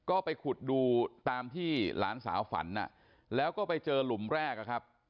ก็ไปขุดดูตามที่หลานสาวฝันแล้วก็ไปเจอหลุมแรกอะครับ